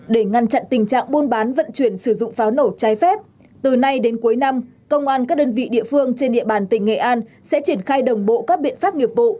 để ngăn chặn tình trạng buôn bán vận chuyển sử dụng pháo nổ trái phép từ nay đến cuối năm công an các đơn vị địa phương trên địa bàn tỉnh nghệ an sẽ triển khai đồng bộ các biện pháp nghiệp vụ